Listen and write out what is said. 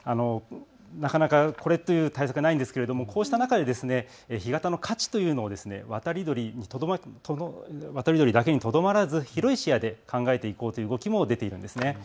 なかなかこれという対策はないんですけれどもこうした中で干潟の価値というのを渡り鳥だけにとどまらずに広い範囲で考えていこうという動きもあるんです。